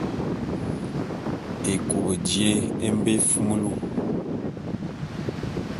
Ékop jé e mbe éfumulu.